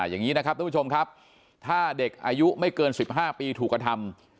อย่างนี้นะครับทุกผู้ชมครับถ้าเด็กอายุไม่เกิน๑๕ปีถูกกระทำ